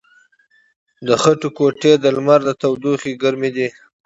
د خټو کوټې د لمر له تودوخې ګرمې دي.